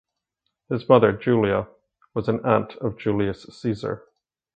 His mother, Julia, was an aunt of Julius Caesar.